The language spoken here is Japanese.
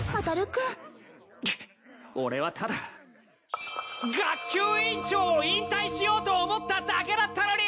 くっ俺はただ学級委員長を引退しようと思っただけだったのに！